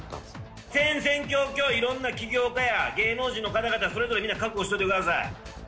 戦々恐々、いろんな起業家や芸能人の方々それぞれみんな、覚悟しておいてください。